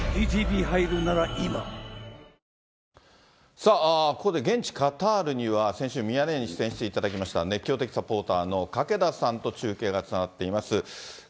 さあ、ここで現地、カタールには先週、ミヤネ屋に出演していただきました、熱狂的サポーターの懸田さんと中継がつながっています。